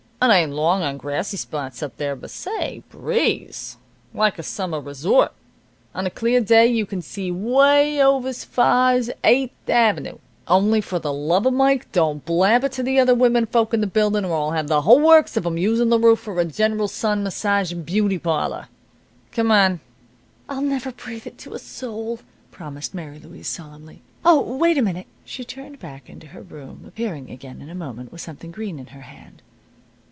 It ain't long on grassy spots up there, but say, breeze! Like a summer resort. On a clear day you can see way over 's far 's Eight' Avenoo. Only for the love of Mike don't blab it to the other women folks in the buildin', or I'll have the whole works of 'em usin' the roof for a general sun, massage, an' beauty parlor. Come on." "I'll never breathe it to a soul," promised Mary Louise, solemnly. "Oh, wait a minute." She turned back into her room, appearing again in a moment with something green in her hand.